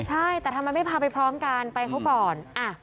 ใช่แต่ทำไมไม่พาไปพร้อมกันไปเขาก่อน